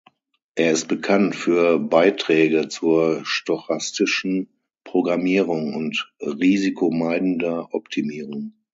Er ist bekannt für Beiträge zur stochastischen Programmierung und risikomeidender Optimierung.